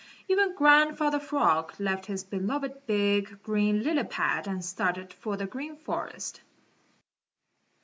Even Grandfather Frog left his beloved big, green lily pad and started for the Green Forest.